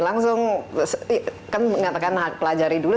langsung kan mengatakan pelajari dulu